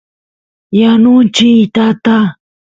yanuchiy tata